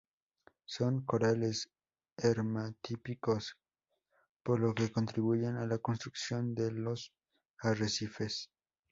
Son corales hermatípicos, por lo que contribuyen a la construcción de los arrecifes.